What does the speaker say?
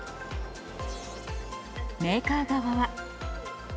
メーカー側は。